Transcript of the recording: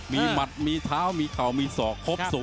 มีหมัดมีเท้ามีเข่ามีศอกครบสูง